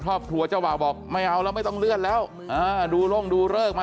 ครอบครัวเจ้าบ่าวบอกไม่เอาแล้วไม่ต้องเลื่อนแล้วอ่าดูโล่งดูเลิกมา